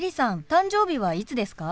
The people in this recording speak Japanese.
誕生日はいつですか？